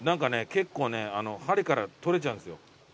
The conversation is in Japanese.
結構ね針から取れちゃうんですよ。